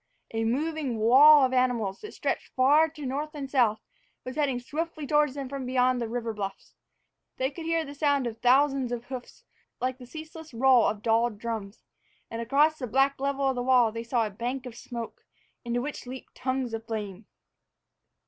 A moving wall of animals, that stretched far to north and south, was heading swiftly toward them from beyond the river bluffs. They could hear the sound of thousands of hoofs, like the ceaseless roll of dulled drums, and across the black level of the wall they saw a bank of smoke, into which leaped tongues of flame.